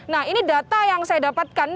nah ini data yang saya dapatkan